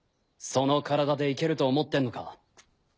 その体で行けると思ってんのか？